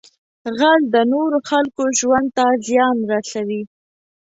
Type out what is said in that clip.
غل د نورو خلکو ژوند ته زیان رسوي